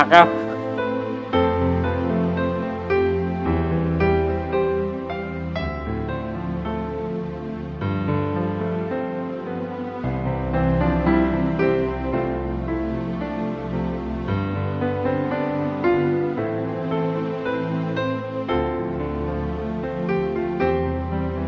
สู้กันนะลูก